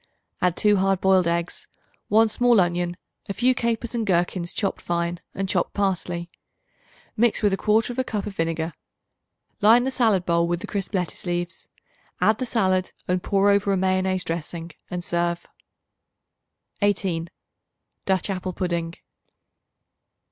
Add 2 hard boiled eggs, 1 small onion, a few capers and gherkins chopped fine and chopped parsley. Mix with 1/4 cup of vinegar. Line the salad bowl with the crisp lettuce leaves. Add the salad and pour over a mayonnaise dressing and serve. 18. Dutch Apple Pudding.